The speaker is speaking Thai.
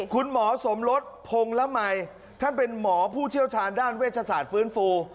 คุณหมอสมรสพงละมัยท่านเป็นหมอผู้เชี่ยวชาญด้านเวชศาสตร์ฟื้นฟู